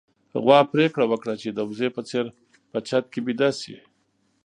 غوا پرېکړه وکړه چې د وزې په څېر په چت کې ويده شي.